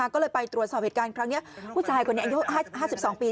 ก็เลยไปตรวจสอบเหตุการณ์ครั้งนี้ผู้ชายคนนี้อายุ๕๒ปี